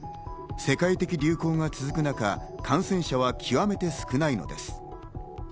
世界的流行が続く中、感染者は極めて少ないのです。